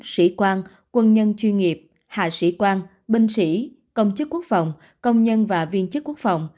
sĩ quan quân nhân chuyên nghiệp hạ sĩ quan binh sĩ công chức quốc phòng công nhân và viên chức quốc phòng